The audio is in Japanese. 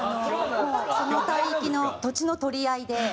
その帯域の土地の取り合いで。